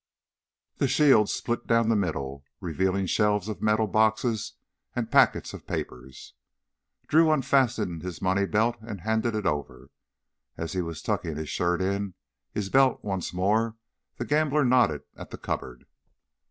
The shield split down the middle, revealing shelves of metal boxes and packets of papers. Drew unfastened his money belt and handed it over. As he was tucking his shirt in his belt once more the gambler nodded at the cupboard.